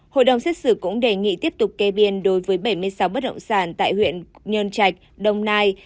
hội đồng xét xử cũng đề nghị tiếp tục kê biên đối với bảy mươi sáu bất động sản tại huyện nhơn trạch đông nai